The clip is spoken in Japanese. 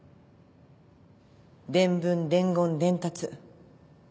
伝聞伝言伝達。